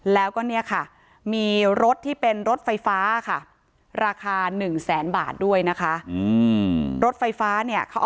แล้วก็เนี่ยมีรถที่เป็นรถไฟฟ้า